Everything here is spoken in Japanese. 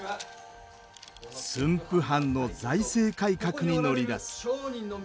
駿府藩の財政改革に乗り出す。